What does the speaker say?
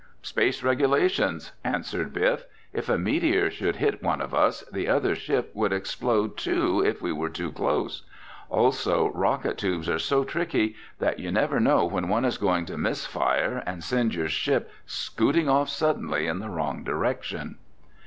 "Space regulations," answered Biff. "If a meteor should hit one of us, the other ship would explode too if we were close. Also, rocket tubes are so tricky that you never know when one is going to misfire and send your ship scooting off suddenly in the wrong direction."